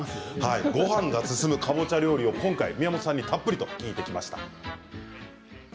ごはんが進むかぼちゃ料理を宮本さんにたっぷり聞いてきました。